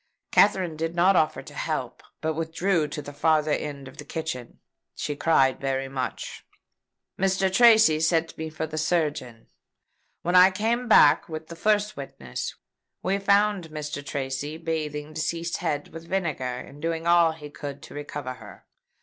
Katherine did not offer to help, but withdrew to the farther end of the kitchen. She cried very much. Mr. Tracy sent me for a surgeon. When I came back with the first witness, we found Mr. Tracy bathing deceased's head with vinegar, and doing all he could to recover her.